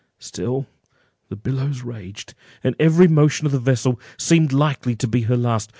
Still the billows raged, and every motion of the vessel seemed likely to be her last.